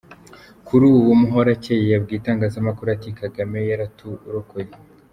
Kuri ubu, Muhorakeye yabwiye itangazamakuru ati “Kagame yaraturokoye.